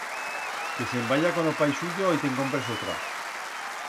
Que se'n vaya con o pai suyo y te'n compras otra.